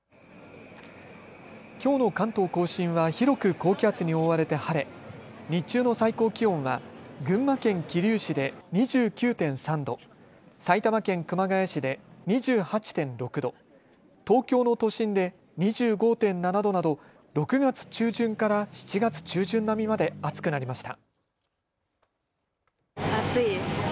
きょうの関東甲信は広く高気圧に覆われて晴れ、日中の最高気温は群馬県桐生市で２９．３度、埼玉県熊谷市で２８．６度、東京の都心で２５．７度など６月中旬から７月中旬並みまで暑くなりました。